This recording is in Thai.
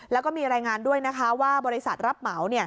แล้วก็มีรายงานด้วยนะคะว่าบริษัทรับเหมา